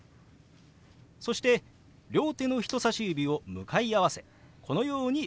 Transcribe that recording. そして両手の人さし指を向かい合わせこのように動かします。